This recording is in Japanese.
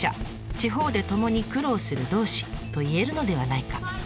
地方で共に苦労する同志といえるのではないか。